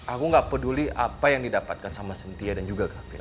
aku gak peduli apa yang didapatkan sama sintia dan juga kak pilar